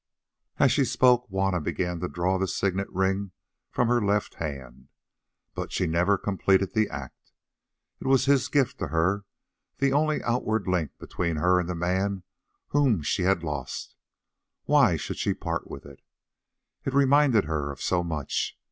As she spoke Juanna began to draw the signet ring from her left hand. But she never completed the act. It was his gift to her, the only outward link between her and the man whom she had lost—why should she part with it? It reminded her of so much.